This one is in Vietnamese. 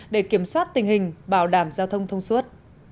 để kiểm soát tình hình bảo đảm giao thông thông suốt